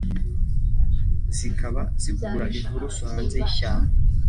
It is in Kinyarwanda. zikaba zikura inturusu hanze y’ishyamba